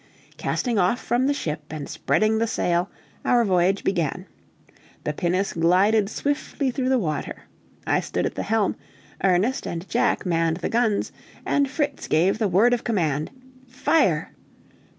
Casting off from the ship, and spreading the sail, our voyage began. The pinnace glided swiftly through the water. I stood at the helm, Ernest and Jack manned the guns, and Fritz gave the word of command, "Fire!"